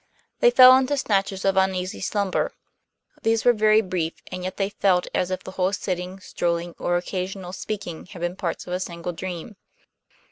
They fell into snatches of uneasy slumber; these were very brief, and yet they felt as if the whole sitting, strolling, or occasional speaking had been parts of a single dream.